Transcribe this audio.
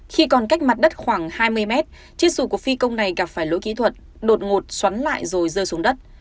khi còn cách mặt đất khoảng hai mươi mét chiếc sùa của phi công này gặp phải lỗi kỹ thuật đột ngột xoắn lại rồi rơi xuống đất